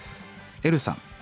エルさん